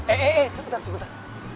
eh eh eh sebentar sebentar